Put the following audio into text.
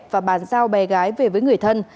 và bàn giao bé gái về với người thân